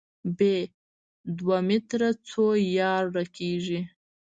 ب: دوه متره څو یارډه کېږي؟